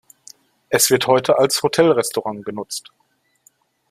Es wird heute als Hotel-Restaurant genutzt.